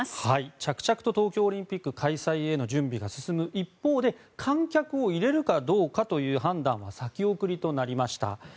着々と東京オリンピック開催への準備が進む一方で、観客を入れるかどうかという判断は先送りとなりました。